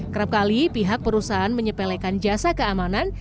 kerap kali pihak perusahaan menyepelekan jasa keamanan